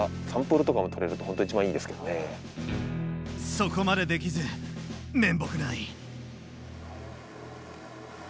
そこまでできず面目ない。